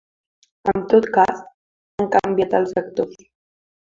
En tot cas, han canviat els actors.